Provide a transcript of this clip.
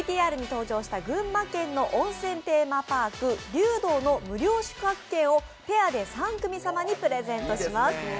ＶＴＲに登場した群馬県の温泉テーマパーク、龍洞の無料宿泊券をペアで３組様にプレゼントします。